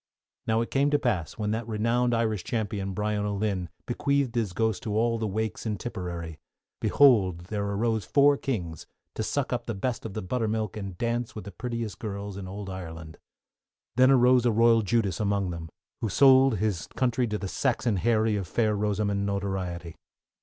_ Now it came to pass when that renowned Irish Champion, Brian O'Lynn, bequeathed his ghost to all the wakes in Tipperary, behold there arose four kings to suck up the best of the buttermilk and dance with the prettiest girls in Ould Ireland. Then arose a Royal Judas among them, who sold his country to the Saxon Harry of Fair Rosamond notoriety.